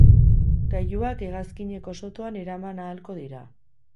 Gailuak hegazkineko sotoan eraman ahalko dira.